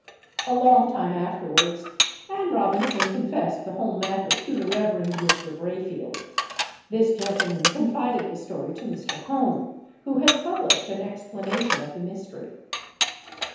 A long time afterwards, Anne Robinson confessed the whole matter to the Reverend Mr. Brayfield. This gentleman confided the story to Mr. Hone, who has published an explanation of the mystery.